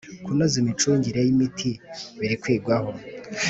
Kunoza imicungire y ‘imiti birikwigwaho.